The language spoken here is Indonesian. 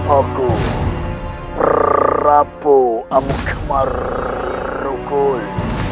aku berapu amukmerukul